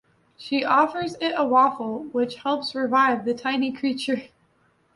She offers it a waffle, which helps revive the tiny creature.